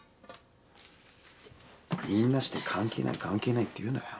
みんなして関係ない関係ないって言うなよ。